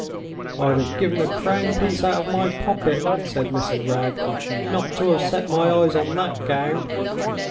"I'd have given a crown piece out of my pocket," said Mrs. Wragge, "not to have set my eyes on that gown.